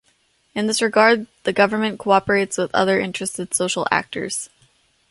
In this regard, the government cooperates with other interested social actors.